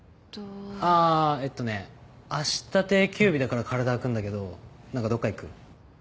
あぁえっとね明日定休日だから体空くんだけど何かどっか行く？